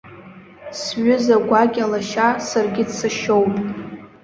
Сҩыза гәакьа лашьа саргьы дсашьоуп.